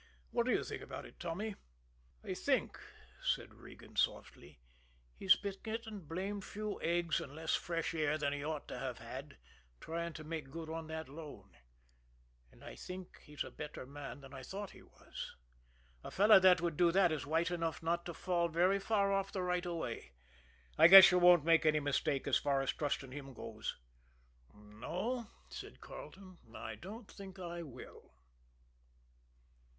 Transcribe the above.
What do you think about it, Tommy?" "I think," said Regan softly, "he's been getting blamed few eggs and less fresh air than he ought to have had, trying to make good on that loan. And I think he's a better man than I thought he was. A fellow that would do that is white enough not to fall very far off the right of way. I guess you won't make any mistake as far as trusting him goes." "No," said Carleton, "I don't think I will."